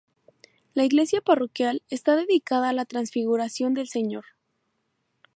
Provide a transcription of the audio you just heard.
La iglesia parroquial está dedicada a la Transfiguración del Señor.